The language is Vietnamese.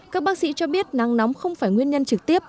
các bác sĩ cho biết nắng nóng không phải nguyên nhân trực tiếp